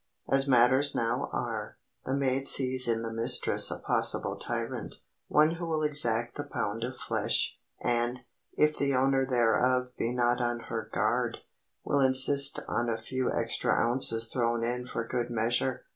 As matters now are, the maid sees in the mistress a possible tyrant, one who will exact the pound of flesh, and, if the owner thereof be not on her guard, will insist on a few extra ounces thrown in for good measure.